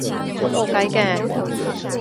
都冇計嘅